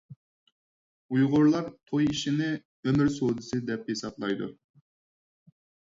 ئۇيغۇرلار توي ئىشىنى «ئۆمۈر سودىسى» دەپ ھېسابلايدۇ.